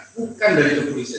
bukan dari kompunisian